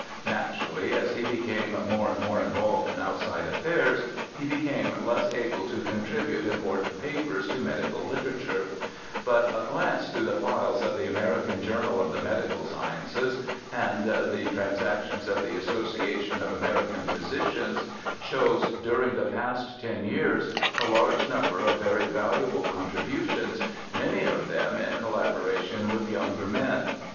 Naturally, as he became more and more involved in outside affairs, he became less able to contribute impor tant papers to medical literature, but a glance through the files of the American Journal of the Medical Sciences, and the Transactions of the Association of American Phy sicians, shows during the past ten years a large number of very valuable contributions, many of them in colla boration with younger men.